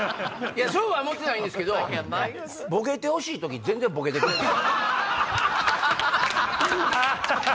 そうは思ってないんですけどボケてほしい時に全然ボケてくれない。